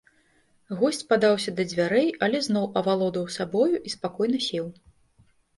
Госць падаўся да дзвярэй, але зноў авалодаў сабою і спакойна сеў.